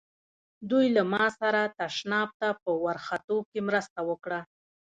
دوی له ما سره تشناب ته په ورختو کې مرسته وکړه.